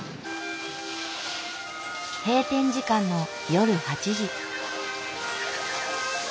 閉店時間の夜８時。